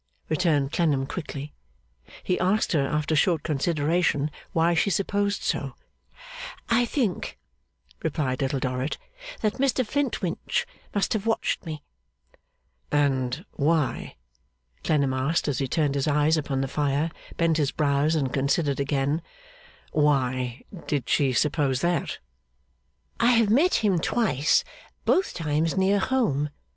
returned Clennam quickly. He asked her, after short consideration, why she supposed so. 'I think,' replied Little Dorrit, 'that Mr Flintwinch must have watched me.' And why, Clennam asked, as he turned his eyes upon the fire, bent his brows, and considered again; why did she suppose that? 'I have met him twice. Both times near home.